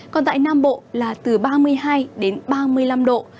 còn tại nam bộ là từ ba mươi hai đến ba mươi năm độ